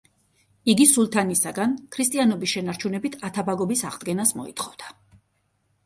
იგი სულთნისაგან ქრისტიანობის შენარჩუნებით ათაბაგობის აღდგენას მოითხოვდა.